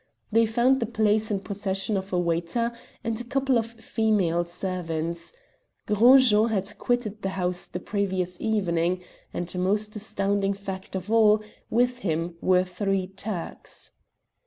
They found the place in possession of a waiter and a couple of female servants. Gros Jean had quitted the house the previous evening, and, most astounding fact of all, with him were three Turks.